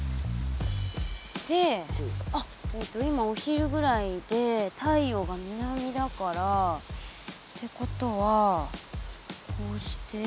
であっ今お昼ぐらいで太陽が南だから。ってことはこうして。